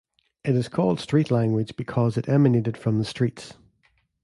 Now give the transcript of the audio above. It is called street language because it emanated from the streets.